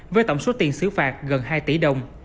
với tổng số tiền xử phạt gần hai tỷ đồng